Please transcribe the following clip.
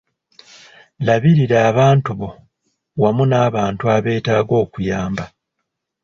Labirira abantu bo wamu n’abantu abeetaaga okuyamba.